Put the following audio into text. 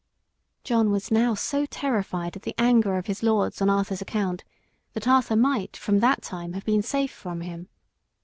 John was now so terrified at the anger of his lords on Arthur's account that Arthur might from that time have been safe from him.